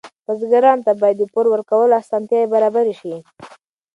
بزګرانو ته باید د پور ورکولو اسانتیاوې برابرې شي.